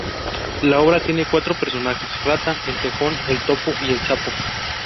La obra tiene cuatro personajes: Rata, el Tejón, el Topo y el Sapo.